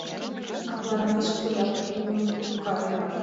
Икманаш, коля пун гайрак.